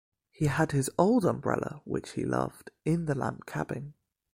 He had his old umbrella, which he loved, in the lamp cabin.